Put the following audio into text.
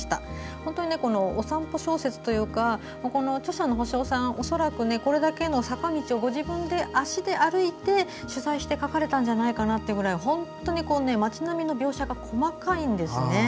本当にお散歩小説というか著者のほしおさんは恐らくこれだけの坂道をご自分で足で歩いて取材して書かれたんじゃないかなというくらい本当に町並みの描写が細かいんですよね。